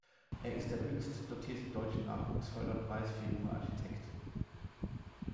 Er ist der höchstdotierte deutsche Nachwuchsförderpreis für junge Architekten.